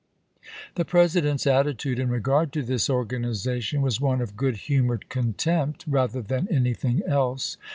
The President's attitude in regard to this or ganization was one of good humored contempt rather than anything else.